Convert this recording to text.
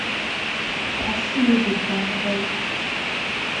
A see de parday.